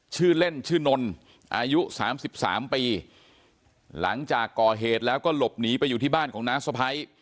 ชื่อเล่นชื่อนนอายุสามสิบสามปีหลังจากก่อเหตุแล้วก็หลบหนีไปอยู่ที่บ้านของน้าสะพ้าย